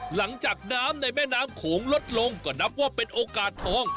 หลังจากน้ำในแม่น้ำโขงลดลงก็นับว่าเป็นโอกาสทอง